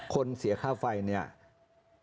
ขอเรื่องค่าไฟอีกหน่อยนะครับตัวเลขดี